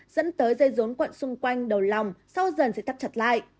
dẫn tới dây rốn quận xung quanh đầu lòng sau dần sẽ tắt chặt lại